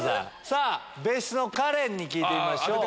さぁ別室のカレンに聞いてみましょう。